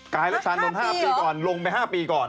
กายรัชชานนท์๕ปีก่อนลงไป๕ปีก่อน